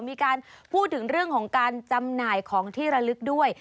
มีการพูดถึงเรื่องของการจำหน่ายของที่ระลึกด้วย